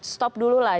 stop dulu lah